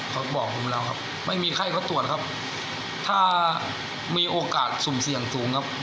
เขาบอกผมแล้วครับไม่มีไข้เขาตรวจครับถ้ามีโอกาสสุ่มเสี่ยงสูงครับ